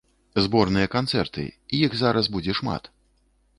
Зборныя канцэрты, іх зараз будзе шмат.